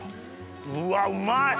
うわっうまい！